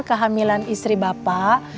kehamilan istri bapak